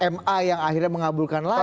ma yang akhirnya mengabulkan lagi